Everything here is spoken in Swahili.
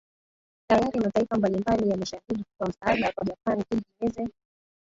tayari mataifa mbalimbali yamesha ahidi kutoa msaada kwa japan ili iweze